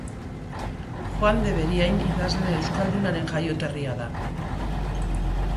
Juan de Beriain idazle euskaldunaren jaioterria da.